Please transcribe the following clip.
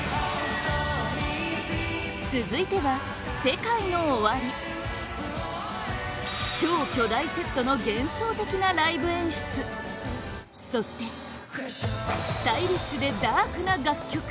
続いてはＳＥＫＡＩＮＯＯＷＡＲＩ超巨大セットの幻想的なライブ演出そして、スタイリッシュでダークな楽曲！